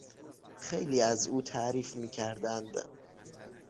خیلی از او تعریف میکردند.